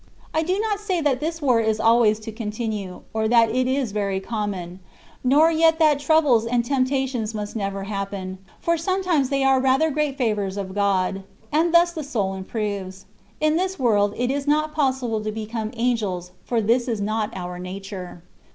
I do not say that this war is always to continue, or that it is very common ; nor yet that troubles and tempta tions must never happen, for sometimes they are rather great favours of God, and thus the soul improves : in this world it is not possible to become angels ; for this is not our nature.